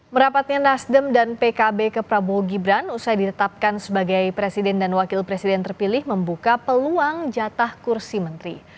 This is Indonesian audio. merapatnya nasdem dan pkb ke prabowo gibran usai ditetapkan sebagai presiden dan wakil presiden terpilih membuka peluang jatah kursi menteri